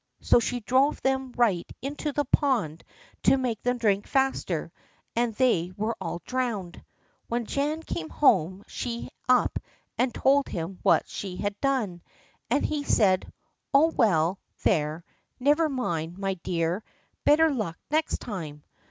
So she drove them right into the pond to make them drink faster, and they were all drowned. When Jan came home she up and told him what she had done, and he said: "Oh, well, there, never mind, my dear; better luck next time."